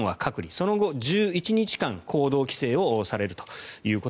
その後、１１日間行動規制をされると。